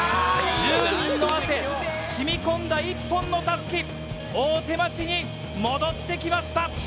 １０人の汗、しみこんだ一本のたすき、大手町に戻ってきました。